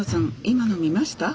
今の見ました？